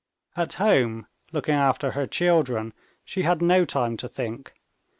At home, looking after her children, she had no time to think.